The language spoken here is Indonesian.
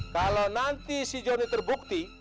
kalau nanti si johnny terbukti